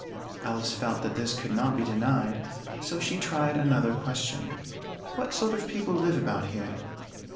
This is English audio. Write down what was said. Alice felt that this could not be denied, so she tried another question. "What sort of people live about here?"